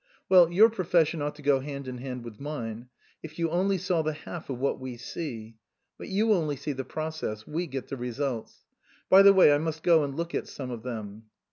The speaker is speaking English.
" Well your profession ought to go hand in hand with mine. If you only saw the half of what we see But you only see the process ; we get the results. By the way I must go and look at some of them."